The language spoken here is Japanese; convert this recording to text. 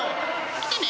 来てね！